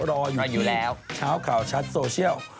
รออยู่นี่ชาวข่าวชัดโซเชี่ยล